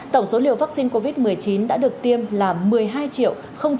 tổng số liều vắc xin covid một mươi chín đã được tiêm là một mươi hai chín mươi tám tám trăm hai mươi một liều